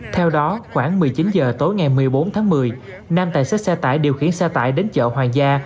theo đó khoảng một mươi chín h tối ngày một mươi bốn tháng một mươi nam tài xế xe tải điều khiển xe tải đến chợ hoàng gia